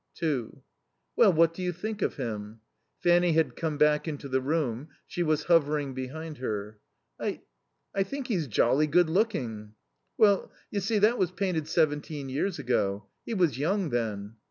2 "Well, what do you think of him?" Fanny had come back into the room; she was hovering behind her. "I I think he's jolly good looking." "Well, you see, that was painted seventeen years ago. He was young then."